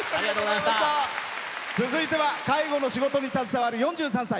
続いては介護の仕事に携わる４３歳。